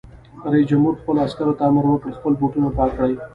رئیس جمهور خپلو عسکرو ته امر وکړ؛ خپل بوټونه پاک کړئ!